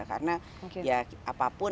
karena ya apapun